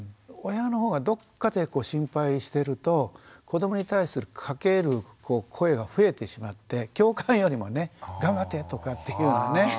親の方がどっかで心配してると子どもに対するかける声が増えてしまって共感よりもね「頑張って」とかっていうようなね